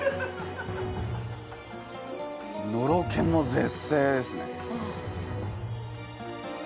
のろけも絶世ですね。